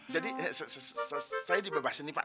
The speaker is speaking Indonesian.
jadi saya dibebasin nih pak